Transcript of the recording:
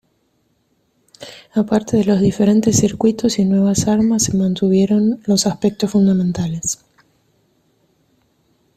Aparte de los diferentes circuitos y nuevas armas, se mantuvieron los aspectos fundamentales.